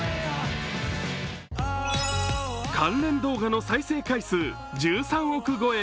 関連動画の再生回数１３億超え。